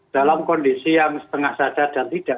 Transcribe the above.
dalam kondisi yang setengah sadar dan tidak